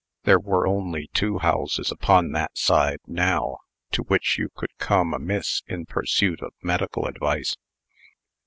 There were only two houses upon that side, now, to which you could come amiss in pursuit of medical advice.